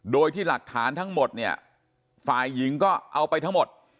โดยที่หลักฐานทั้งหมดเนี่ยฝ่ายหญิงก็เอาไปทั้งหมด